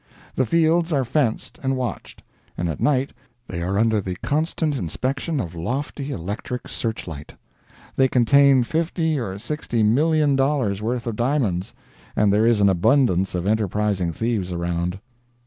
The fields are fenced and watched; and at night they are under the constant inspection of lofty electric searchlight. They contain fifty or sixty million dollars' worth' of diamonds, and there is an abundance of enterprising thieves around.